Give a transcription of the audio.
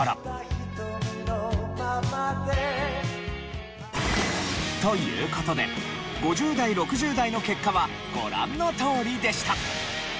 「瞳のままで」という事で５０代６０代の結果はご覧のとおりでした。